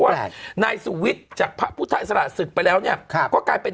พวกนายสู่วิทธิ์จากพระพุทธขณะสื่อไปแล้วเนี่ยครับก็กลายเป็น